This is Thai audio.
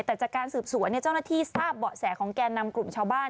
แต่จากการสืบสวนเจ้าหน้าที่ทราบเบาะแสของแก่นำกลุ่มชาวบ้าน